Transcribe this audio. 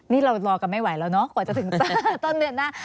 นี่เรารอกันไม่ไหวแล้วเนาะกว่าจะถึงต้นเดือนหน้า